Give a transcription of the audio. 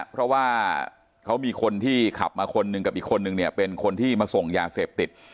เพราะว่าเขามีคนที่ขับมาคนหนึ่งกับอีกคนนึงเนี่ยเป็นคนที่มาส่งยาเสพติด